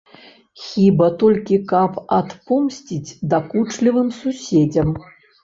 Хіба толькі, каб адпомсціць дакучлівым суседзям.